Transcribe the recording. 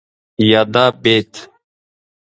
يا دا بيت